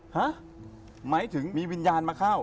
ฮะหมายถึงมีวิญญาณมาเข้า